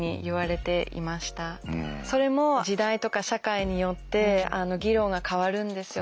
それも時代とか社会によって議論が変わるんですよね。